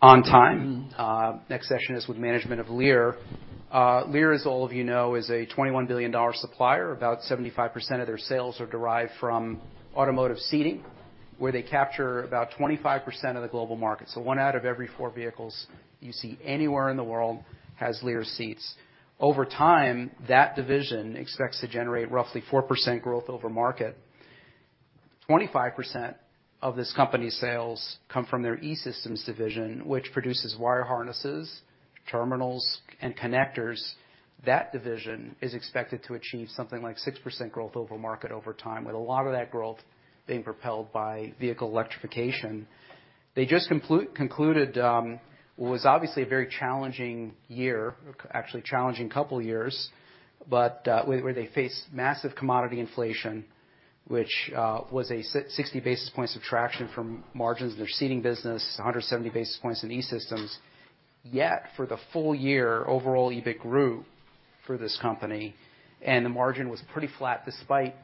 On time. Next session is with management of Lear. Lear, as all of you know, is a $21 billion supplier. About 75% of their sales are derived from automotive seating, where they capture about 25% of the global market. One out of every four vehicles you see anywhere in the world has Lear seats. Over time, that division expects to generate roughly 4% growth over market. 25% of this company's sales come from their E-Systems division, which produces wire harnesses, terminals, and connectors. That division is expected to achieve something like 6% growth over market over time, with a lot of that growth being propelled by vehicle electrification. They just concluded what was obviously a very challenging year, actually challenging couple years, where they faced massive commodity inflation, which was 60 basis points of traction from margins in their seating business, 170 basis points in E-Systems. For the full year, overall EBIT grew for this company, and the margin was pretty flat despite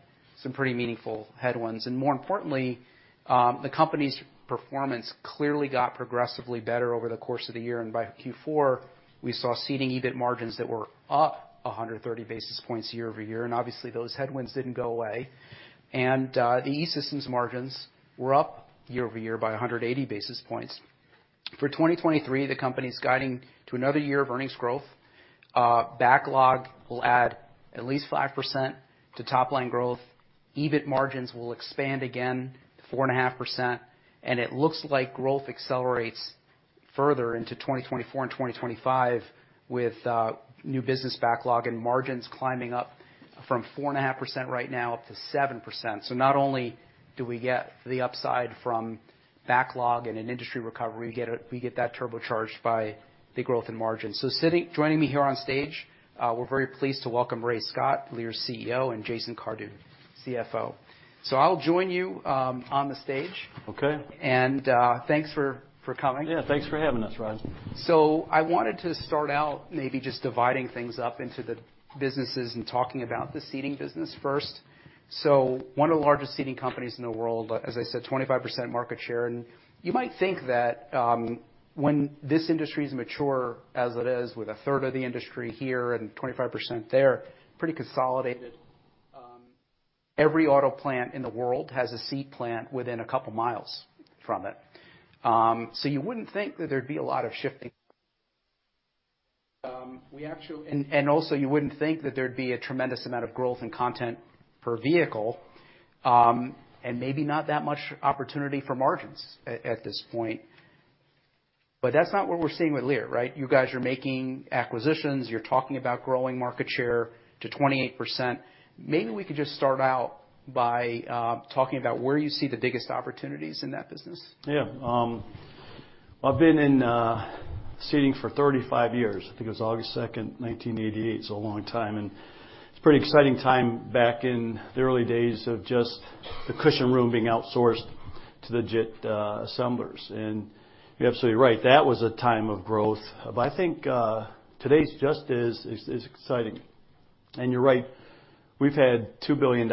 some pretty meaningful headwinds. More importantly, the company's performance clearly got progressively better over the course of the year, and by Q4, we saw seating EBIT margins that were up 130 basis points year-over-year. Obviously, those headwinds didn't go away. The E-Systems margins were up year-over-year by 180 basis points. For 2023, the company's guiding to another year of earnings growth. Backlog will add at least 5% to top line growth. EBIT margins will expand again 4.5%, and it looks like growth accelerates further into 2024 and 2025 with new business backlog and margins climbing up from 4.5% right now up to 7%. Not only do we get the upside from backlog and an industry recovery, we get that turbocharged by the growth in margins. Joining me here on stage, we're very pleased to welcome Ray Scott, Lear's CEO, and Jason Cardew, CFO. I'll join you on the stage. Okay. Thanks for coming. Yeah, thanks for having us, Ryan. I wanted to start out maybe just dividing things up into the businesses and talking about the seating business first. One of the largest seating companies in the world, as I said, 25% market share. You might think that, when this industry's mature as it is with a 1/3 of the industry here and 25% there, pretty consolidated. Every auto plant in the world has a seat plant within a couple miles from it. You wouldn't think that there'd be a lot of shifting. Also you wouldn't think that there'd be a tremendous amount of growth and content per vehicle, and maybe not that much opportunity for margins at this point. That's not what we're seeing with Lear, right? You guys are making acquisitions. You're talking about growing market share to 28%.Maybe we could just start out by talking about where you see the biggest opportunities in that business. I've been in seating for 35 years. I think it was August 2, 1988, so a long time. It's a pretty exciting time back in the early days of just the cushion room being outsourced to the JIT assemblers. You're absolutely right, that was a time of growth. I think today's just as exciting. You're right, we've had $2 billion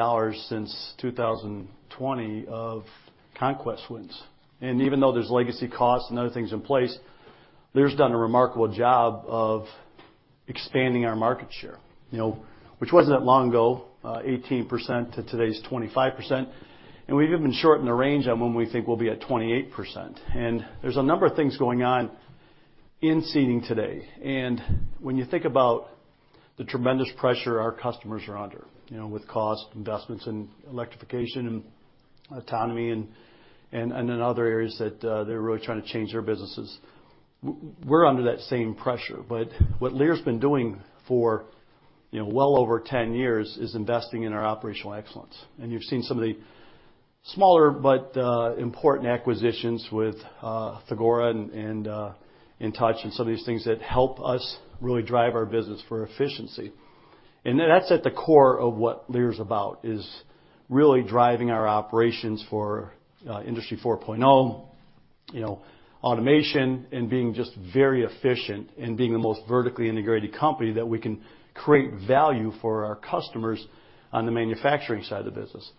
since 2020 of conquest wins. Even though there's legacy costs and other things in place, Lear's done a remarkable job of expanding our market share. You know, which wasn't that long ago, 18% to today's 25%. We've even shortened the range on when we think we'll be at 28%. There's a number of things going on in seating today. When you think about the tremendous pressure our customers are under, you know, with cost, investments in electrification and autonomy and in other areas that they're really trying to change their businesses, we're under that same pressure. What Lear's been doing for, you know, well over 10 years is investing in our operational excellence. You've seen some of the smaller but important acquisitions with Thagora and InTouch and some of these things that help us really drive our business for efficiency. That's at the core of what Lear's about, is really driving our operations for Industry 4.0, you know, automation and being just very efficient and being the most vertically integrated company that we can create value for our customers on the manufacturing side of the business.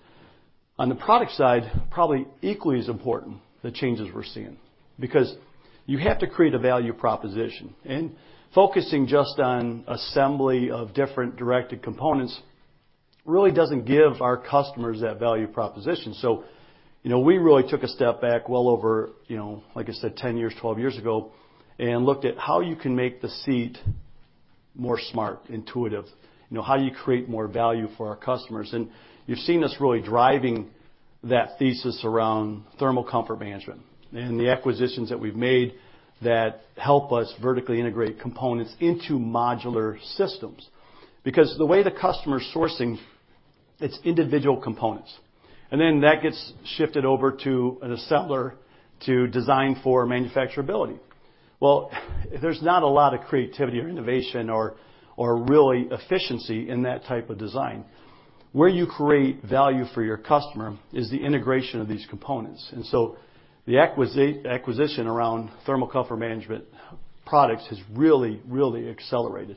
On the product side, probably equally as important, the changes we're seeing. You have to create a value proposition, focusing just on assembly of different directed components really doesn't give our customers that value proposition. You know, we really took a step back well over, you know, like I said, 10 years, 12 years ago, and looked at how you can make the seat more smart, intuitive. You know, how do you create more value for our customers? You've seen us really driving that thesis around thermal comfort management and the acquisitions that we've made that help us vertically integrate components into modular systems. The way the customer's sourcing, it's individual components. That gets shifted over to an assembler to design for manufacturability. Well, there's not a lot of creativity or innovation or really efficiency in that type of design. Where you create value for your customer is the integration of these components. The acquisition around thermal comfort management products has really accelerated.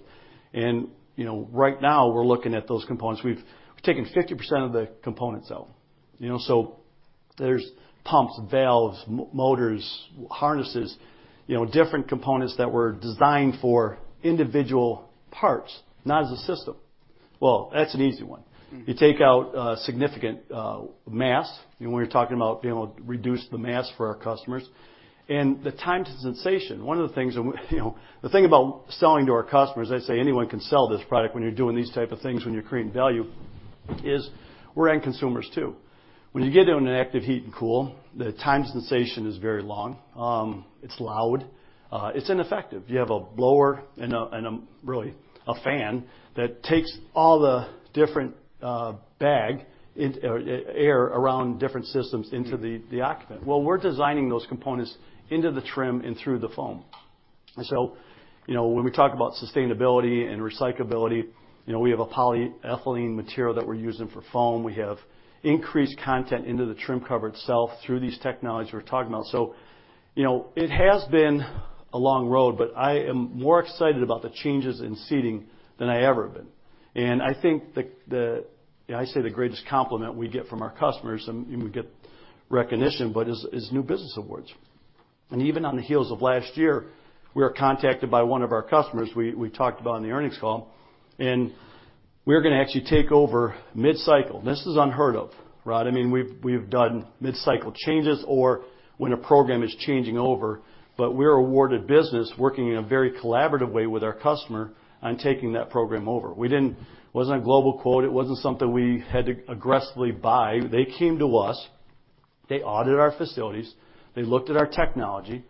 You know, right now we're looking at those components. We've taken 50% of the components out. You know, there's pumps, valves, motors, harnesses, you know, different components that were designed for individual parts, not as a system. Well, that's an easy one. You take out significant mass, you know, when you're talking about being able to reduce the mass for our customers. The time to sensation, one of the things. You know, the thing about selling to our customers, they say anyone can sell this product when you're doing these type of things, when you're creating value, is we're end consumers, too. When you get into an active heat and cool, the time to sensation is very long. It's loud. It's ineffective. You have a blower and a, really, a fan that takes all the different or air around different systems into the occupant. Well, we're designing those components into the trim and through the foam. You know, when we talk about sustainability and recyclability, you know, we have a polyethylene material that we're using for foam. We have increased content into the trim cover itself through these technologies we're talking about. You know, it has been a long road, but I am more excited about the changes in seating than I ever been. I think the You know, I say the greatest compliment we get from our customers, and we get recognition, but is new business awards. Even on the heels of last year, we were contacted by one of our customers we talked about on the earnings call, and we're gonna actually take over mid-cycle. This is unheard of, right? I mean, we've done mid-cycle changes or when a program is changing over, but we're awarded business working in a very collaborative way with our customer on taking that program over. We didn't. It wasn't a global quote. It wasn't something we had to aggressively buy. They came to us, they audited our facilities, they looked at our technology,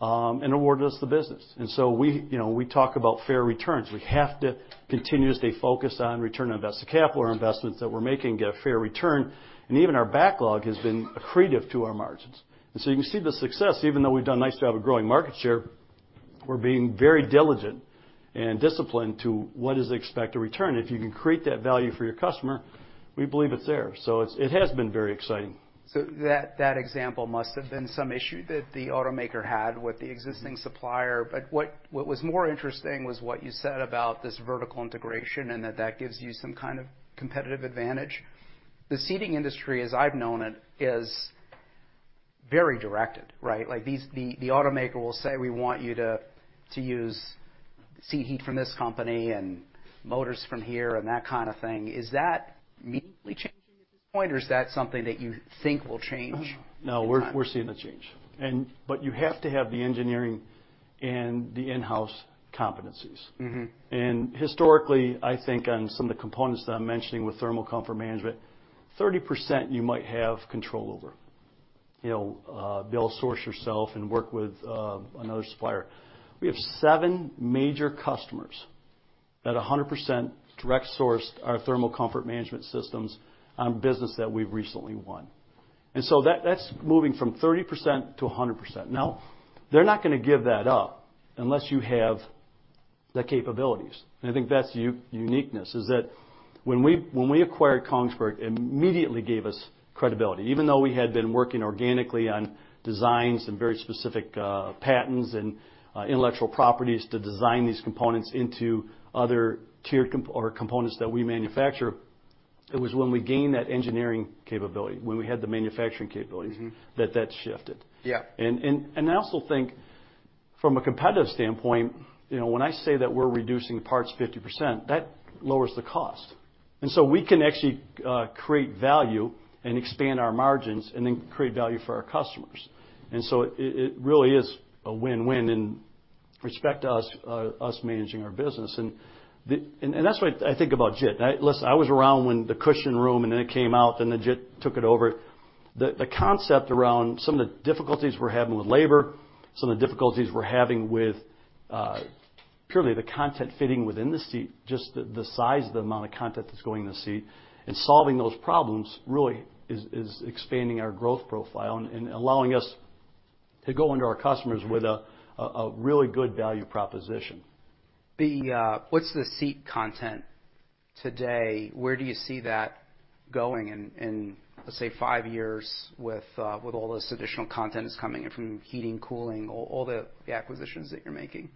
and awarded us the business. We, you know, we talk about fair returns. We have to continuously focus on return on invested capital, or investments that we're making get fair return. Even our backlog has been accretive to our margins. You can see the success. Even though we've done nice job of growing market share, we're being very diligent and disciplined to what is the expected return. If you can create that value for your customer, we believe it's there. It has been very exciting. That example must have been some issue that the automaker had with the existing supplier. What was more interesting was what you said about this vertical integration and that gives you some kind of competitive advantage. The seating industry, as I've known it, is very directed, right? Like, these, the automaker will say, "We want you to use seat heat from this company and motors from here," and that kind of thing. Is that immediately changing at this point, or is that something that you think will change in time? No, we're seeing the change. You have to have the engineering and the in-house competencies. Historically, I think on some of the components that I'm mentioning with thermal comfort management, 30% you might have control over. You know, be able to source yourself and work with another supplier. We have seven major customers that 100% direct sourced our thermal comfort management systems on business that we've recently won. That's moving from 30% to 100%. Now, they're not going to give that up unless you have the capabilities, and I think that's uniqueness, is that when we acquired Kongsberg, it immediately gave us credibility. Even though we had been working organically on designs and very specific patents and intellectual properties to design these components into other tier components that we manufacture, it was when we gained that engineering capability, when we had the manufacturing capabilities that that shifted. Yeah. I also think from a competitive standpoint, you know, when I say that we're reducing parts 50%, that lowers the cost. We can actually create value and expand our margins, and then create value for our customers. It really is a win-win in respect to us managing our business. That's what I think about JIT. I, listen, I was around when the cushion room, and then it came out, and then JIT took it over. The concept around some of the difficulties we're having with labor, some of the difficulties we're having with purely the content fitting within the seat, just the size of the amount of content that's going in the seat, and solving those problems really is expanding our growth profile and allowing us to go into our customers with a really good value proposition. What's the seat content today? Where do you see that going in, let's say five years with all this additional content that's coming in from heating, cooling, all the acquisitions that you're making?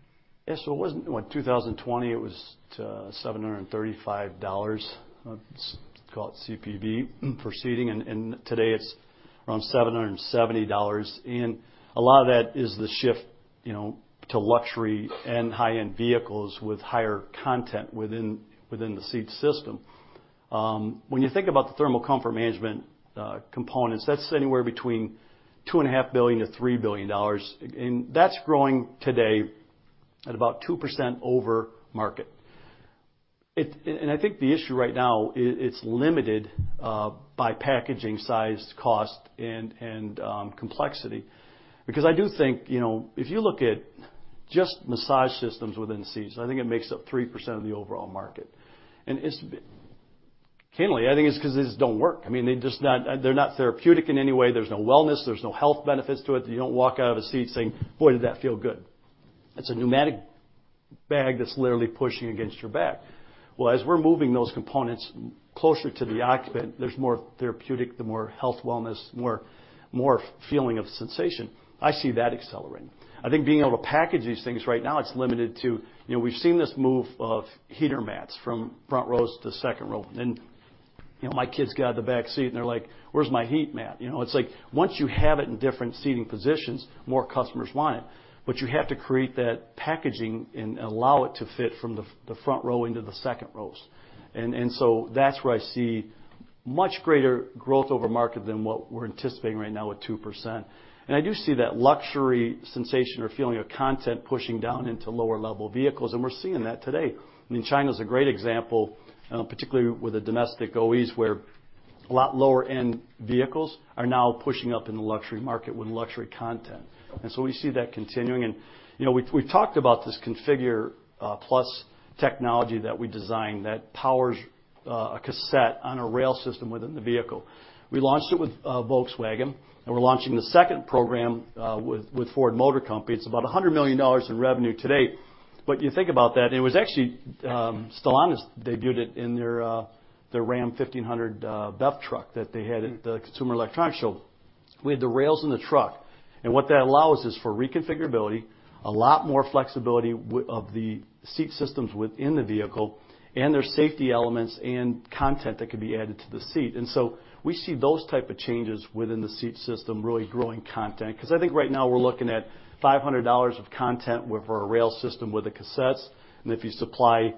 Yeah, so it wasn't, what, 2020 it was $735. It's called CPV proceeding, and today it's around $770. A lot of that is the shift, you know, to luxury and high-end vehicles with higher content within the seat system. When you think about the thermal comfort management components, that's anywhere between $2.5 billion-$3 billion, and that's growing today at about 2% over market. I think the issue right now, it's limited by packaging size, cost and complexity, because I do think, you know, if you look at just massage systems within seats, I think it makes up 3% of the overall market. Frankly, I think it's 'cause these don't work. I mean, they're just not therapeutic in any way. There's no wellness. There's no health benefits to it. You don't walk out of a seat saying, "Boy, did that feel good." It's a pneumatic bag that's literally pushing against your back. Well, as we're moving those components closer to the occupant, there's more therapeutic, the more health wellness, more feeling of sensation. I see that accelerating. I think being able to package these things right now, it's limited to, you know, we've seen this move of heater mats from front rows to second row. You know, my kids get out of the back seat, and they're like, "Where's my heat mat?" You know? It's like, once you have it in different seating positions, more customers want it, but you have to create that packaging and allow it to fit from the front row into the second rows. That's where I see much greater growth over market than what we're anticipating right now with 2%. I do see that luxury sensation or feeling of content pushing down into lower-level vehicles, and we're seeing that today. I mean, China's a great example, particularly with the domestic OEs, where a lot lower end vehicles are now pushing up in the luxury market with luxury content. We see that continuing. You know, we've talked about this ConfigurE+ technology that we designed that powers a cassette on a rail system within the vehicle. We launched it with Volkswagen, and we're launching the second program with Ford Motor Company. It's about $100 million in revenue to date. You think about that, and it was actually, Stellantis debuted it in their Ram 1500, BEV truck that they had at the Consumer Electronics Show. We had the rails in the truck, and what that allows is for reconfigurability, a lot more flexibility of the seat systems within the vehicle, and there's safety elements and content that could be added to the seat. We see those type of changes within the seat system really growing content. 'Cause I think right now we're looking at $500 of content with our rail system with the cassettes. If you supply,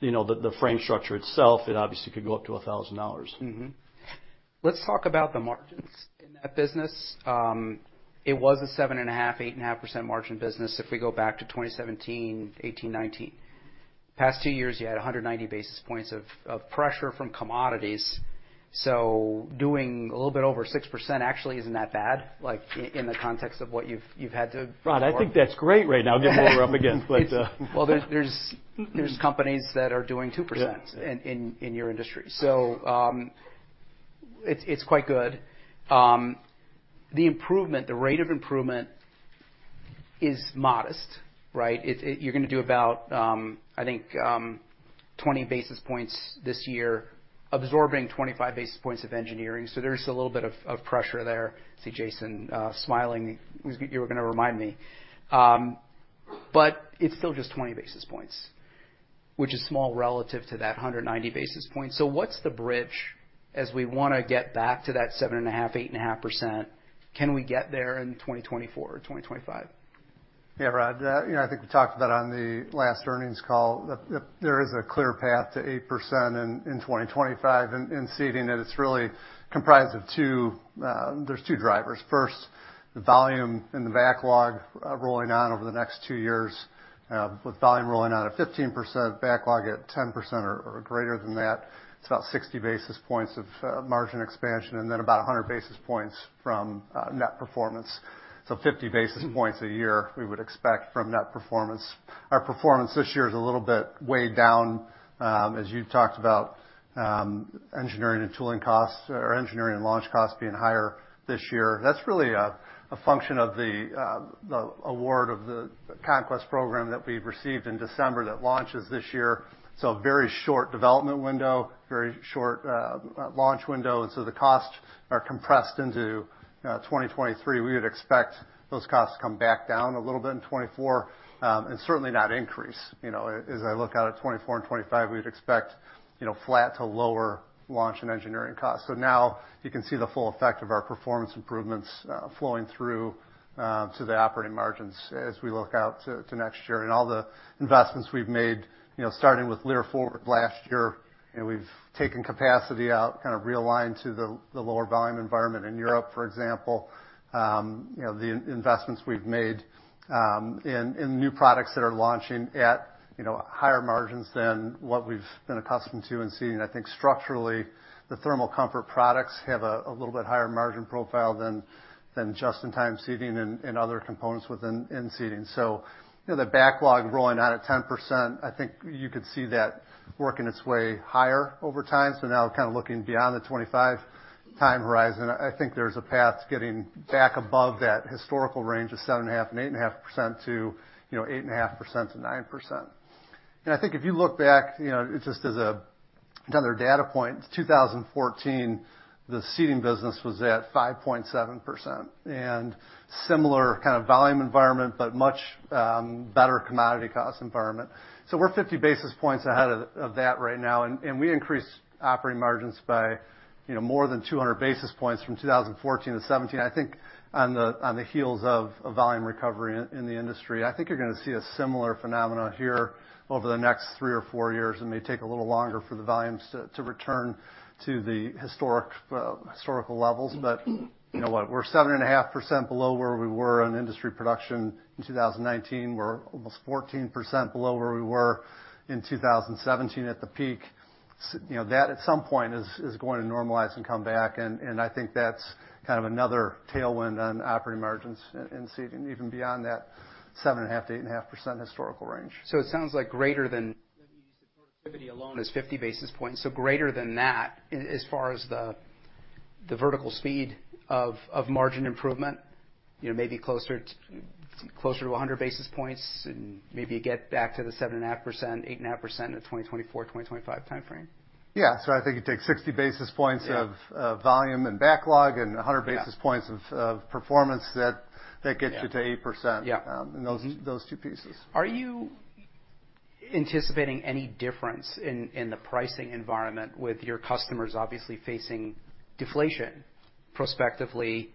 you know, the frame structure itself, it obviously could go up to $1,000. Let's talk about the margins in that business. It was a 7.5%, 8.5% margin business if we go back to 2017, 2018, 2019. Past two years, you had 190 basis points of pressure from commodities, doing a little bit over 6% actually isn't that bad, like, in the context of what you've had to perform. Rod, I think that's great right now given what we're up against. Well, there's companies that are doing 2%- Yeah. in your industry. It's quite good. The improvement, the rate of improvement is modest, right? It, you're gonna do about, I think, 20 basis points this year, absorbing 25 basis points of engineering, so there's a little bit of pressure there. See Jason smiling. You were gonna remind me. But it's still just 20 basis points, which is small relative to that 190 basis points. What's the bridge as we wanna get back to that 7.5%-8.5%? Can we get there in 2024 or 2025? Rod, you know, I think we talked about on the last earnings call that there is a clear path to 8% in 2025 in seating, and it's really comprised of two drivers. First, the volume in the backlog, rolling out over the next two years, with volume rolling out at 15%, backlog at 10% or greater than that. It's about 60 basis points of margin expansion and then about 100 basis points from net performance. 50 basis points a year we would expect from net performance. Our performance this year is a little bit weighed down, as you talked about, engineering and tooling costs or engineering and launch costs being higher this year. That's really a function of the award of the Conquest Program that we received in December that launches this year. A very short development window, very short launch window, and so the costs are compressed into 2023. We would expect those costs to come back down a little bit in 2024 and certainly not increase. You know, as I look out at 2024 and 2025, we'd expect, you know, flat to lower launch and engineering costs. So now you can see the full effect of our performance improvements flowing through to the operating margins as we look out to next year. All the investments we've made, you know, starting with Lear Forward last year, and we've taken capacity out, kind of realigned to the lower volume environment in Europe, for example. you know, the investments we've made in new products that are launching at, you know, higher margins than what we've been accustomed to in seating. I think structurally, the thermal comfort products have a little bit higher margin profile than just-in-time seating and other components within seating. you know, the backlog rolling out at 10%, I think you could see that working its way higher over time. Now kind of looking beyond the 25 time horizon, I think there's a path to getting back above that historical range of 7.5% and 8.5% to, you know, 8.5%-9%. I think if you look back, you know, just as another data point, 2014, the seating business was at 5.7%, and similar kind of volume environment, but much better commodity cost environment. We're 50 basis points ahead of that right now, and we increased operating margins by, you know, more than 200 basis points from 2014 to 2017, I think on the heels of a volume recovery in the industry. I think you're gonna see a similar phenomena here over the next three or four years. It may take a little longer for the volumes to return to the historic, historical levels. You know what? We're 7.5% below where we were on industry production in 2019. We're almost 14% below where we were in 2017 at the peak. You know, that at some point is going to normalize and come back, and I think that's kind of another tailwind on operating margins in seating, even beyond that 7.5%-8.5% historical range. It sounds like greater than alone is 50 basis points, so greater than that in, as far as the vertical speed of margin improvement, you know, maybe closer to 100 basis points and maybe get back to the 7.5%, 8.5% in 2024, 2025 timeframe. Yeah. I think it takes 60 basis points of volume and backlog. Yeah And 100 basis points of performance that gets you to 8% those two pieces. Are you anticipating any difference in the pricing environment with your customers obviously facing deflation? Prospectively,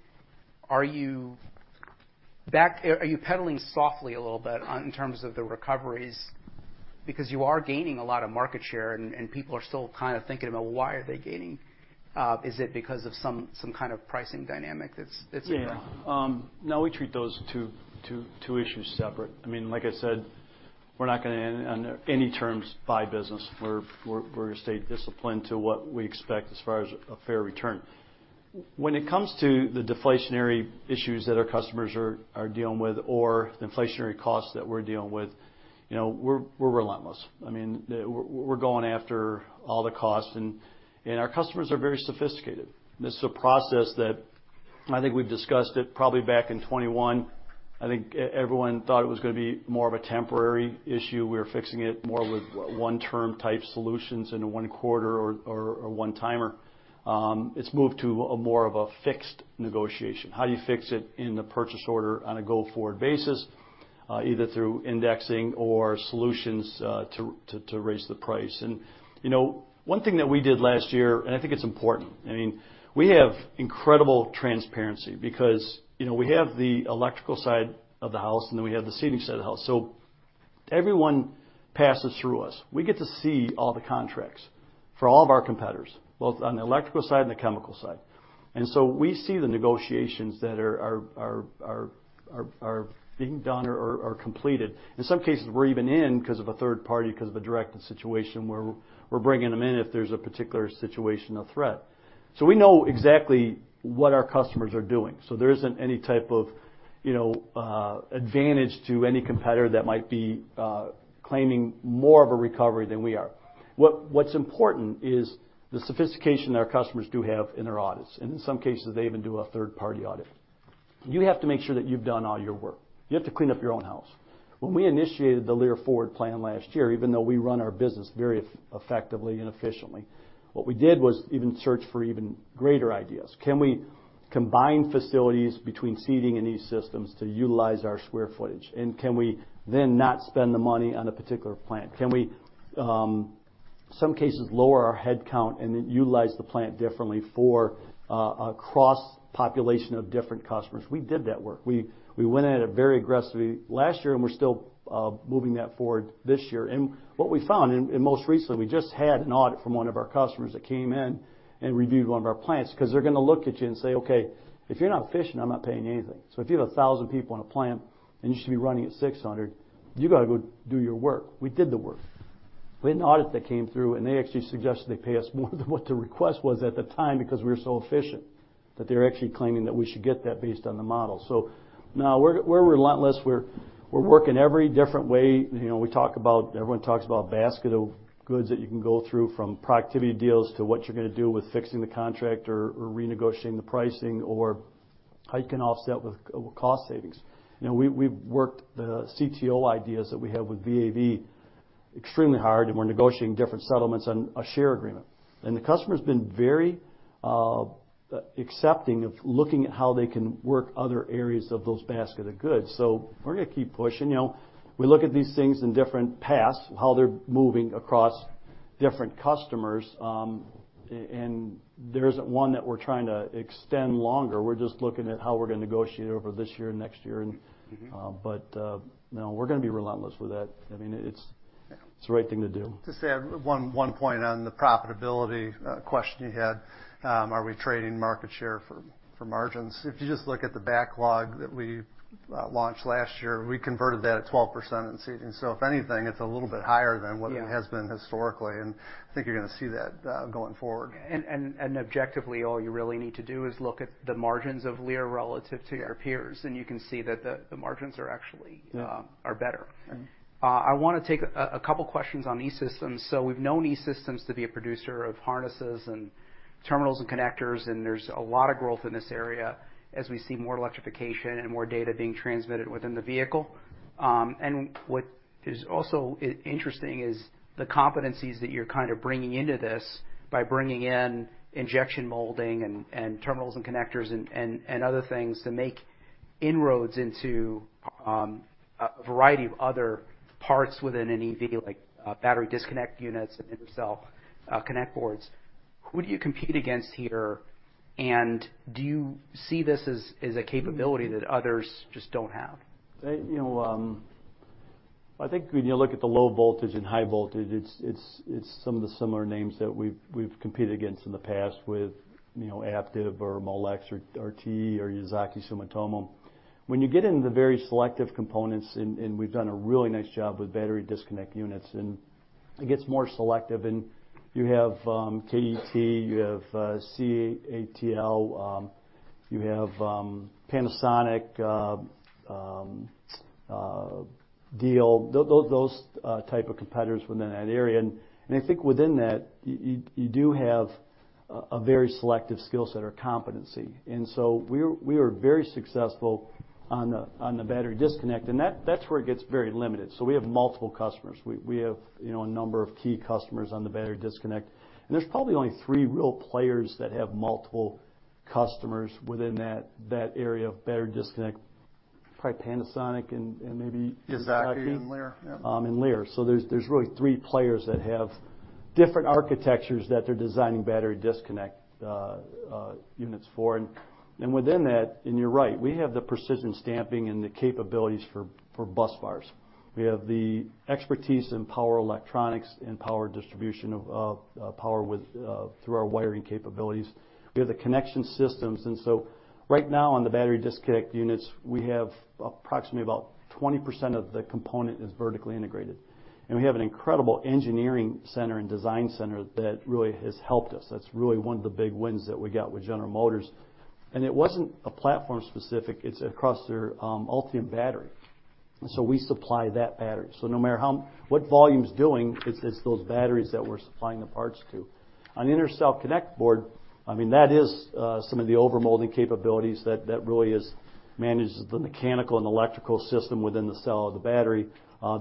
are you pedaling softly a little bit in terms of the recoveries? Because you are gaining a lot of market share, and people are still kind of thinking about why are they gaining, is it because of some kind of pricing dynamic that's in play? No, we treat those two issues separate. I mean, like I said, we're not gonna, on any terms buy business. We're gonna stay disciplined to what we expect as far as a fair return. When it comes to the deflationary issues that our customers are dealing with or the inflationary costs that we're dealing with, you know, we're relentless. I mean, we're going after all the costs and our customers are very sophisticated. This is a process that I think we've discussed it probably back in 2021. I think everyone thought it was gonna be more of a temporary issue. We were fixing it more with one-term-type solutions in one quarter or one timer. It's moved to a more of a fixed negotiation. How do you fix it in the purchase order on a go-forward basis, either through indexing or solutions, to raise the price? You know, one thing that we did last year, and I think it's important, I mean, we have incredible transparency because, you know, we have the electrical side of the house, and then we have the seating side of the house. Everyone passes through us. We get to see all the contracts for all of our competitors, both on the electrical side and the chemical side. We see the negotiations that are being done or are completed. In some cases, we're even in 'cause of a third party, 'cause of a directed situation where we're bringing them in if there's a particular situation or threat. We know exactly what our customers are doing, so there isn't any type of, you know, advantage to any competitor that might be claiming more of a recovery than we are. What's important is the sophistication that our customers do have in their audits, and in some cases, they even do a third-party audit. You have to make sure that you've done all your work. You have to clean up your own house. When we initiated the Lear Forward Plan last year, even though we run our business very effectively and efficiently, what we did was even search for even greater ideas. Can we combine facilities between seating and E-Systems to utilize our square footage? Can we then not spend the money on a particular plant? Can we, some cases, lower our head count and then utilize the plant differently for a cross-population of different customers? We did that work. We went at it very aggressively last year, and we're still moving that forward this year. What we found, and most recently, we just had an audit from one of our customers that came in and reviewed one of our plants, 'cause they're gonna look at you and say, "Okay, if you're not efficient, I'm not paying you anything." If you have a 1,000 people in a plant and you should be running at 600, you gotta go do your work. We did the work. We had an audit that came through, and they actually suggested they pay us more than what the request was at the time because we were so efficient, that they're actually claiming that we should get that based on the model. No, we're relentless. We're working every different way. You know, everyone talks about basket of goods that you can go through from productivity deals to what you're gonna do with fixing the contract or renegotiating the pricing or how you can offset with cost savings. You know, we've worked the CTO ideas that we have with VA/VE extremely hard, and we're negotiating different settlements on a share agreement. The customer's been very accepting of looking at how they can work other areas of those basket of goods. We're gonna keep pushing. You know, we look at these things in different paths, how they're moving across different customers, and there isn't one that we're trying to extend longer. We're just looking at how we're gonna negotiate over this year and next year no, we're gonna be relentless with that. I mean, it's the right thing to do. Just add one point on the profitability question you had, are we trading market share for margins? If you just look at the backlog that we launched last year, we converted that at 12% in seating. If anything, it's a little bit higher than it has been historically. I think you're gonna see that, going forward. Objectively, all you really need to do is look at the margins of Lear. Your peers, and you can see that the margins are actually are better. Right. I wanna take a couple questions on E-Systems. We've known E-Systems to be a producer of harnesses and terminals and connectors, and there's a lot of growth in this area as we see more electrification and more data being transmitted within the vehicle. What is also interesting is the competencies that you're kind of bringing into this by bringing in injection molding and terminals and connectors and other things to make inroads into a variety of other parts within an EV, like Battery Disconnect Units and Intercell Connect Board. Who do you compete against here, and do you see this as a capability that others just don't have? You know, I think when you look at the low voltage and high voltage, it's, it's some of the similar names that we've competed against in the past with, you know, Aptiv or Molex or TE or Yazaki, Sumitomo. When you get into the very selective components, and we've done a really nice job with Battery Disconnect Units and It gets more selective, and you have KET, you have CATL, you have Panasonic, Diehl, those type of competitors within that area. I think within that you do have a very selective skill set or competency. We are very successful on the battery disconnect. That's where it gets very limited. We have multiple customers. We have, you know, a number of key customers on the battery disconnect. There's probably only three real players that have multiple customers within that area of battery disconnect. Probably Panasonic. VA/VE and Lear, yeah. And Lear. There's really three players that have different architectures that they're designing Battery Disconnect Units for. Within that, and you're right, we have the precision stamping and the capabilities for busbars. We have the expertise in power electronics and power distribution of power with through our wiring capabilities. We have the Connection Systems. Right now on the Battery Disconnect Units, we have approximately about 20% of the component is vertically integrated. We have an incredible engineering center and design center that really has helped us. That's really one of the big wins that we got with General Motors. It wasn't a platform specific, it's across their Ultium battery. We supply that battery. No matter what volume's doing, it's those batteries that we're supplying the parts to. On the Intercell Connect Board, I mean, that is some of the overmolding capabilities that really is manages the mechanical and electrical system within the cell of the battery.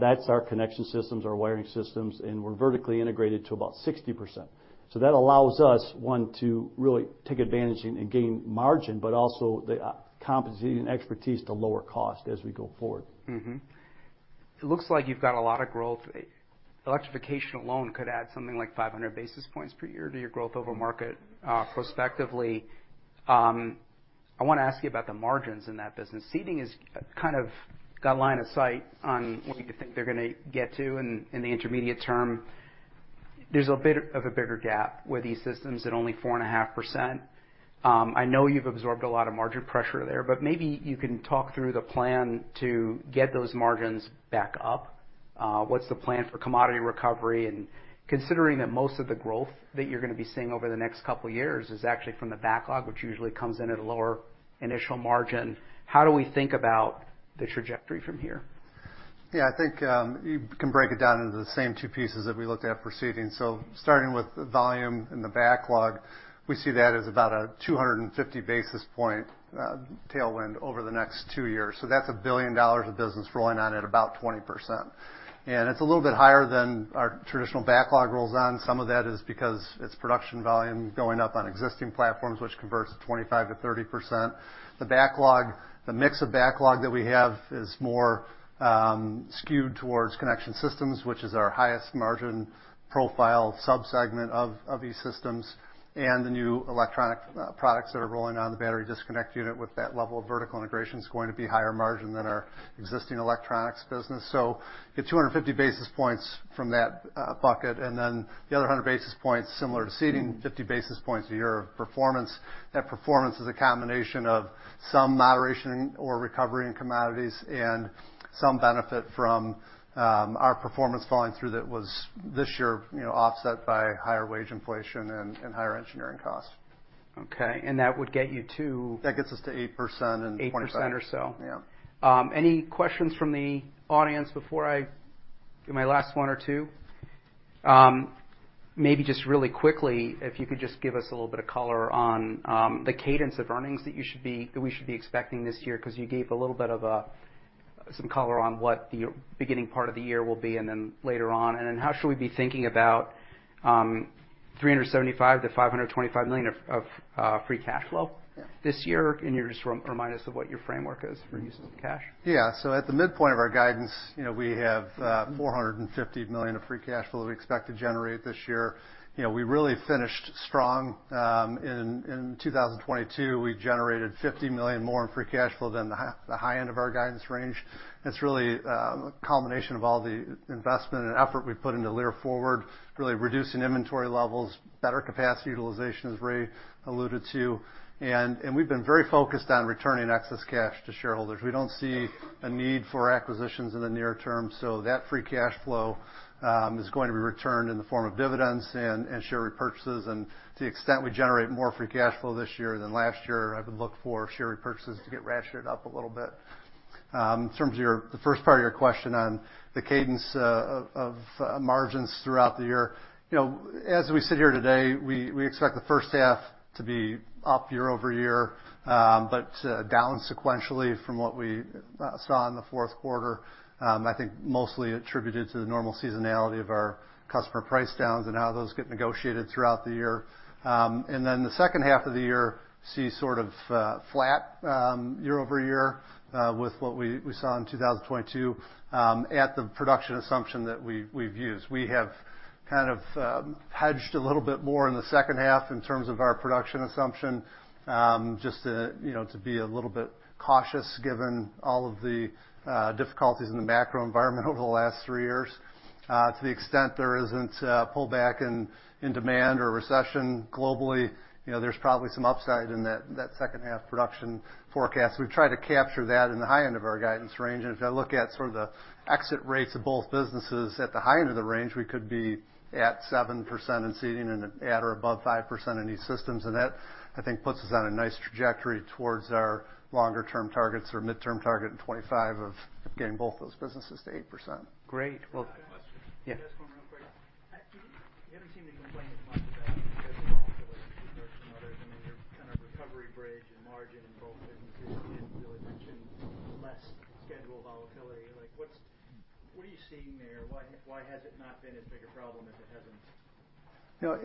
That's our Connection Systems, our wiring systems, we're vertically integrated to about 60%. That allows us, one, to really take advantage and gain margin, but also the competency and expertise to lower cost as we go forward. It looks like you've got a lot of growth. Electrification alone could add something like 500 basis points per year to your growth over market prospectively. I wanna ask you about the margins in that business. Seating is kind of got line of sight on what you think they're gonna get to in the intermediate term. There's a bit of a bigger gap with E-Systems at only 4.5%. I know you've absorbed a lot of margin pressure there, but maybe you can talk through the plan to get those margins back up. What's the plan for commodity recovery? Considering that most of the growth that you're gonna be seeing over the next couple years is actually from the backlog, which usually comes in at a lower initial margin, how do we think about the trajectory from here? I think you can break it down into the same two pieces that we looked at for seating. Starting with the volume and the backlog, we see that as about a 250 basis point tailwind over the next two years. That's $1 billion of business rolling on at about 20%. It's a little bit higher than our traditional backlog rolls on. Some of that is because it's production volume going up on existing platforms, which converts to 25%-30%. The backlog, the mix of backlog that we have is more skewed towards Connection Systems, which is our highest margin profile sub-segment of E-Systems. The new electronic products that are rolling out in the Battery Disconnect Unit with that level of vertical integration is going to be higher margin than our existing electronics business. you have 250 basis points from that bucket, the other 100 basis points similar to seating, 50 basis points a year of performance. That performance is a combination of some moderation or recovery in commodities and some benefit from our performance following through that was this year, you know, offset by higher wage inflation and higher engineering costs. Okay. That would get you to? gets us to 8% and 25%. 8% or so. Yeah. Any questions from the audience before I do my last one or two? Maybe just really quickly, if you could just give us a little bit of color on the cadence of earnings that we should be expecting this year, 'cause you gave a little bit of a, some color on what the beginning part of the year will be and then later on. How should we be thinking about $375 million-$525 million of free cash flow this year? Can you just remind us of what your framework is for use of cash? At the midpoint of our guidance, you know, we have $450 million of free cash flow that we expect to generate this year. You know, we really finished strong in 2022. We generated $50 million more in free cash flow than the high end of our guidance range. It's really a combination of all the investment and effort we've put into Lear Forward, really reducing inventory levels, better capacity utilization, as Ray alluded to. We've been very focused on returning excess cash to shareholders. We don't see a need for acquisitions in the near term, that free cash flow is going to be returned in the form of dividends and share repurchases. To the extent we generate more free cash flow this year than last year, I would look for share repurchases to get ratcheted up a little bit. In terms of your, the first part of your question on the cadence of margins throughout the year, you know, as we sit here today, we expect the first half to be up year-over-year, but down sequentially from what we saw in the fourth quarter. I think mostly attributed to the normal seasonality of our customer price downs and how those get negotiated throughout the year. Then the second half of the year see sort of flat year-over-year with what we saw in 2022 at the production assumption that we've used. We have kind of hedged a little bit more in the second half in terms of our production assumption, just to, you know, to be a little bit cautious given all of the difficulties in the macro environment over the last 3 years. To the extent there isn't a pullback in demand or recession globally, you know, there's probably some upside in that second half production forecast. We've tried to capture that in the high end of our guidance range. If I look at sort of the exit rates of both businesses, at the high end of the range, we could be at 7% in seating and at or above 5% in E-Systems. That, I think, puts us on a nice trajectory towards our longer-term targets or midterm target in 25 of getting both those businesses to 8%. Great. I have a question. Yeah. Just one real quick one. You haven't seemed to complain as much about schedule volatility compared to others. I mean, your kind of recovery bridge and margin improvements, you really mentioned less schedule volatility. Like, what are you seeing there? Why has it not been as big a problem as it hasn't? You know,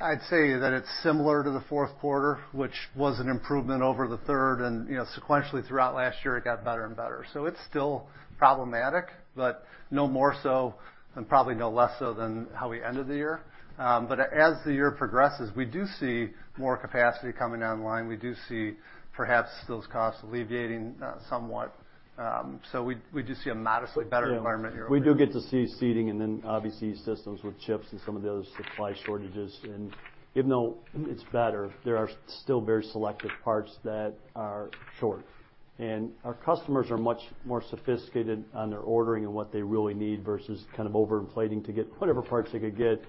I'd say that it's similar to the fourth quarter, which was an improvement over the third and, you know, sequentially throughout last year, it got better and better. It's still problematic, but no more so and probably no less so than how we ended the year. As the year progresses, we do see more capacity coming online. We do see perhaps those costs alleviating somewhat. We do see a modestly better environment year-over-year. Yeah. We do get to see seating then obviously systems with chips and some of those supply shortages. Even though it's better, there are still very selective parts that are short. Our customers are much more sophisticated on their ordering and what they really need versus kind of overinflating to get whatever parts they could get.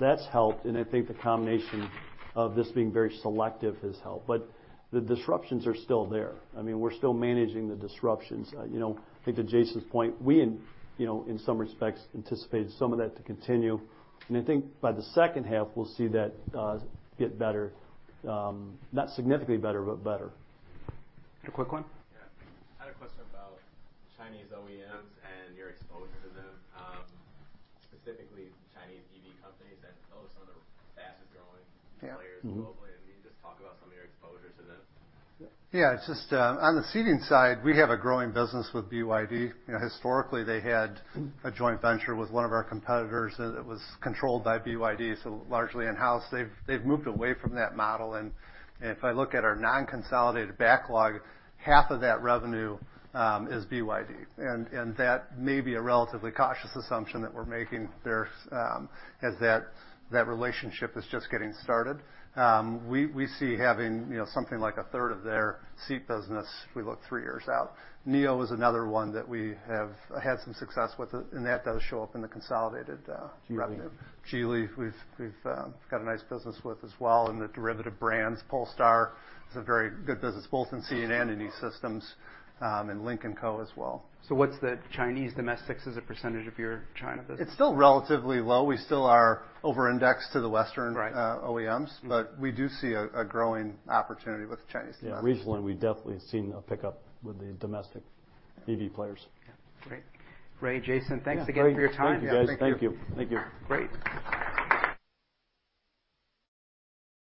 That's helped, and I think the combination of this being very selective has helped. The disruptions are still there. I mean, we're still managing the disruptions. You know, I think to Jason Cardew's point, we in, you know, in some respects anticipated some of that to continue. I think by the second half, we'll see that, get better, not significantly better, but better. A quick one? Yeah. I had a question about Chinese OEMs and your exposure to them, specifically Chinese EV companies that are some of the fastest-growing players globally. I mean, just talk about some of your exposure to them. Yeah, it's just on the seating side, we have a growing business with BYD. You know, historically, they had a joint venture with one of our competitors, and it was controlled by BYD, so largely in-house. They've moved away from that model. If I look at our non-consolidated backlog, half of that revenue is BYD. That may be a relatively cautious assumption that we're making there is that that relationship is just getting started. We see having, you know, something like a third of their seat business if we look three years out. NIO is another one that we have had some success with, and that does show up in the consolidated revenue. Geely. Geely, we've got a nice business with as well, and the derivative brands. Polestar is a very good business, both in seat and E-Systems, and Lynk & Co as well. What's the Chinese domestics as a percentage of your China business? It's still relatively low. We still are over-indexed to the Western- Right. OEMs, we do see a growing opportunity with Chinese domestics. Yeah, regionally, we've definitely seen a pickup with the domestic EV players. Yeah. Great. Great, Jason. Thanks again for your time. Yeah. Thank you, guys. Thank you. Thank you. Great.